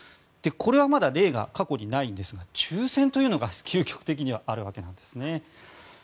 これはまだ例が過去にないんですが抽選というのが究極的にはあるわけですね。